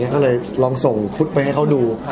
ก็เลยลองส่งชุดไปให้เขาดู